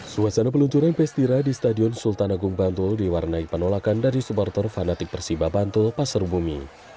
suasana peluncuran ps tira di stadion sultan agung bantul diwarnai penolakan dari supporter fanatik persiba bantul pasar bumi